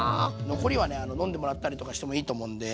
残りはね飲んでもらったりとかしてもいいと思うんで。